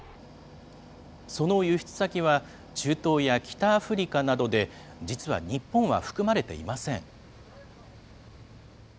その輸出先は中東や北アフリカなどで、実は日本は含まれていません。